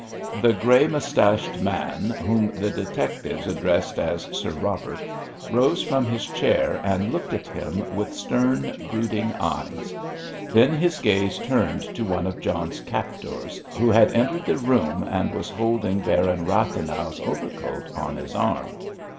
The grey moustached man, whom the detectives addressed as "Sir Robert," rose from his chair and looked at him with stern, brooding eyes; then his gaze turned to one of John's captors, who had entered the room and was holding Baron Rathenau's overcoat on his arm.